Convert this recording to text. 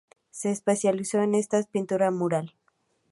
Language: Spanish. Se especializó en esta pintura mural.